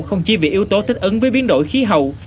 không chỉ vì yếu tố thích ứng với biến đổi khí hậu